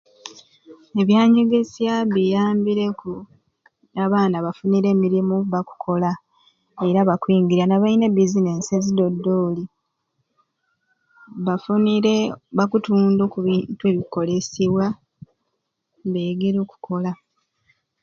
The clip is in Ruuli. Ebyanyegesya biyambireku abaana bafunire emirimu bakola era bakwingirya nbalina e business ezidodoli bafunire bakutunda oku bintu ebikukolesebwa begere okukola